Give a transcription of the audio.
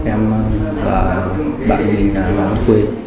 em và bạn mình hoàng văn khuê